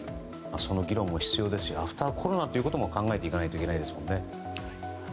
その議論も必要ですしアフターコロナということも考えていかないといけないですもんね。